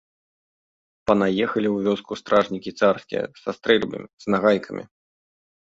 Панаехалі ў вёску стражнікі царскія, са стрэльбамі, з нагайкамі.